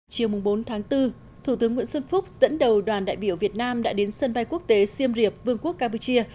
chiều bốn tháng bốn thủ tướng nguyễn xuân phúc dẫn đầu đoàn đại biểu việt nam đã đến sân bay quốc tế siêm reap vương quốc campuchia